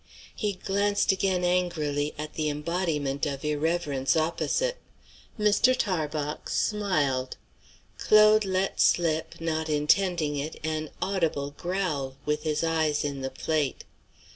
He glanced again angrily at the embodiment of irreverence opposite. Mr. Tarbox smiled. Claude let slip, not intending it, an audible growl, with his eyes in the plate.